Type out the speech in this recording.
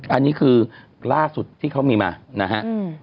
อันนี้คือล่าสุดที่เขามีมานะฮะ